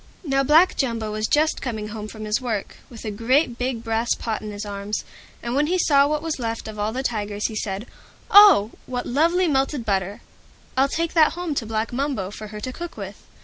Now Black Jumbo was just coming home from his work, with a great big brass pot in his arms, and when he saw what was left of all the Tigers he said, "Oh! what lovely melted butter! I'll take that home to Black Mumbo for her to cook with."